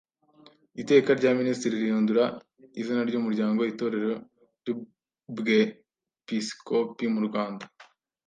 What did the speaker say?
Iteka rya Minisitiri rihindura izina ry umuryango Itorero ry Ubwepisikopi mu Rwanda